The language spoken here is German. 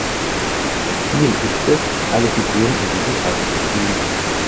Ziel ist es, alle Figuren in diesen Kreis zu ziehen.